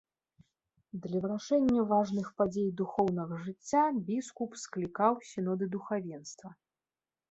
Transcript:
Для вырашэння важных падзей духоўнага жыцця біскуп склікаў сіноды духавенства.